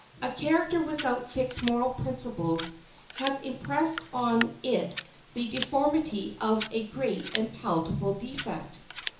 A character without fixed moral principles has impressed on it the deformity of a great and palpable defect.